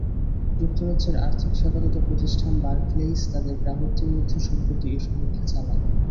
যুক্তরাজ্যের আর্থিক সেবাদাতা প্রতিষ্ঠান বারক্লেইস তাদের গ্রাহকদের মধ্যে সম্প্রতি এ সমীক্ষা চালায়।